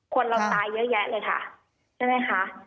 คนเราตายเยอะแยะเลยค่ะใช่ไหมคะ